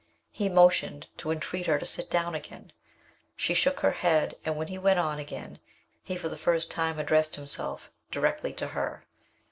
He motioned to entreat her to sit down again. She shook her head, and, when he went on, again, he for the first time addressed himself directly to her.